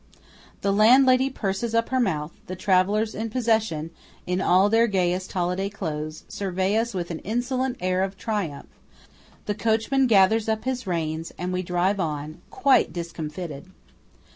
The landlady purses up her mouth; the travellers in possession (all in their gayest holiday clothes) survey us with an insolent air of triumph; the coachman gathers up his reins; and we drive on, quite discomfited.